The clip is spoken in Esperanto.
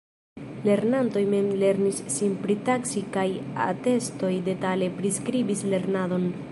Lernantoj mem lernis sin pritaksi kaj atestoj detale priskribis lernadon.